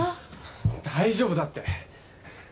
大丈夫だって。